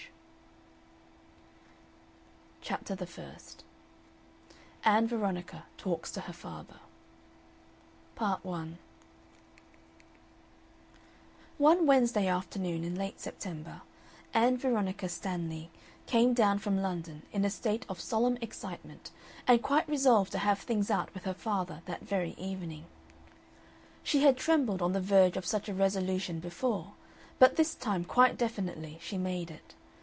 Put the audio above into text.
ANN VERONICA CHAPTER THE FIRST ANN VERONICA TALKS TO HER FATHER Part 1 One Wednesday afternoon in late September, Ann Veronica Stanley came down from London in a state of solemn excitement and quite resolved to have things out with her father that very evening. She had trembled on the verge of such a resolution before, but this time quite definitely she made it.